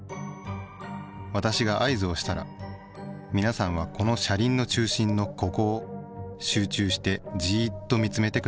私が合図をしたら皆さんはこの車輪の中心のここを集中してじっと見つめてください。